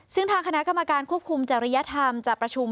ซึ่งทางคณะกรรมการควบคุมจริยธรรมจะประชุม